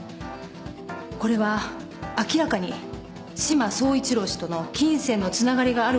これは明らかに志摩総一郎氏との金銭のつながりがあることを隠蔽しようとしています。